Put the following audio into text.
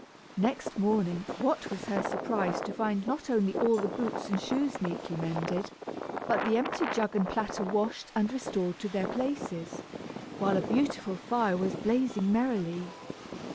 Next morning what was her surprise to find not only all the boots and shoes neatly mended, but the empty jug and platter washed and restored to their places, while a beautiful fire was blazing merrily!